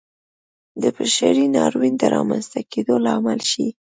د بشري ناورین د رامنځته کېدو لامل شي.